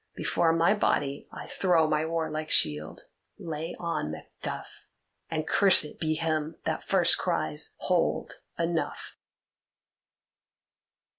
Before my body I throw my warlike shield. Lay on, Macduff, and cursed be him that first cries, 'Hold, enough!